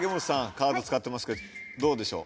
カード使ってますがどうでしょう？